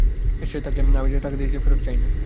এসে থাকলে আমি তাকে যে টাকা দিয়েছিলাম ফেরত চাই না।